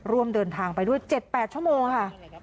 ร่วมเดินทางไปด้วย๗๘ชั่วโมงค่ะ